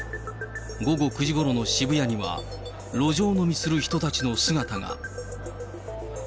午後９時ごろの渋谷には、路上飲みする人たちの姿が。